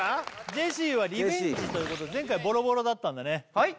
ジェシーはリベンジということで前回ボロボロだったんでねはい？